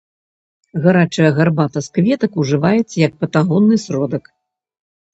Гарачая гарбата з кветак ужываецца як патагонны сродак.